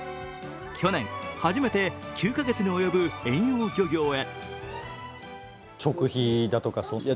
去年、初めて９か月に及ぶ遠洋漁業へ。